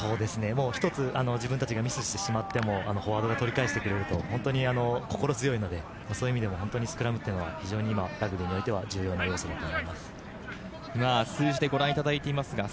一つ自分たちがミスしてしまっても、フォワードを取り返してくれると本当に心強いので、そういう意味でも本当にスクラムというのはラグビーにおいては重要な要素だと思います。